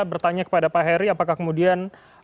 bertanya kepada pak heri apakah kemudian